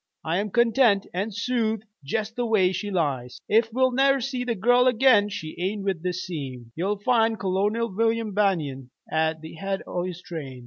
I'm content an' soothe jest the way she lies. Ef Will never sees the gal agin she ain't wuth the seein'. "Ye'll find Col. William Banion at the head o' his own train.